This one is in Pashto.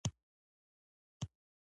د لوړو غرونو پراوږو باندې